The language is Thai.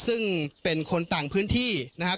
ซึ่งเป็นคนต่างพื้นที่นะครับ